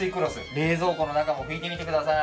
冷蔵庫の中も拭いてみてください。